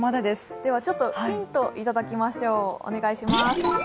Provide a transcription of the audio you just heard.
ではヒントいただきましょう。